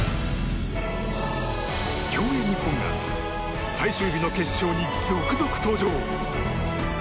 競泳日本が最終日の決勝に続々登場。